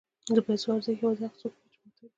د پیسو ارزښت یوازې هغه څوک پوهېږي چې محتاج وي.